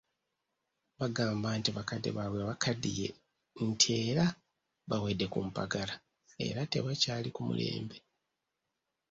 Bagamba nti bakadde baabwe bakaddiye nti era bawedde ku mpagala era tebakyali ku mulembe.